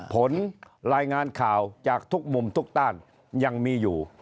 ผลรายงานข่าวจากทุกมุมทุกต้านยังมีอยู่